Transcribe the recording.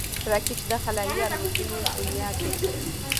راکټ د خلایي الوتنو بنیاد ده